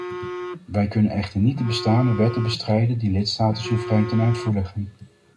Wij kunnen echter niet de bestaande wetten bestrijden die lidstaten soeverein ten uitvoer leggen.